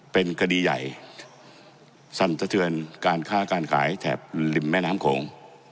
เป็นคดีใหญ่สั่นสะเทือนการค้าการขายแถบริมแม่น้ำโขง